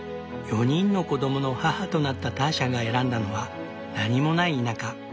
４人の子供の母となったターシャが選んだのは何もない田舎。